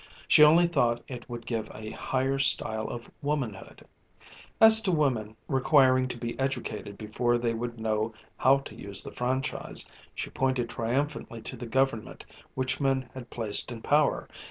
She only thought it would give a higher style of womanhood. As to women requiring to be educated before they would know how to use the franchise, she pointed triumphantly to the Government which men had placed in power.